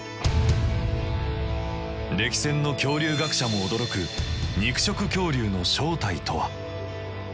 歴戦の恐竜学者も驚く肉食恐竜の正体とは。